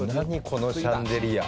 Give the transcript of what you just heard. このシャンデリア。